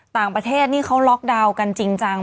ต่างประเทศนี่เขาล็อกดาวน์กันจริงจัง